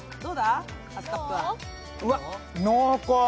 うわっ、濃厚。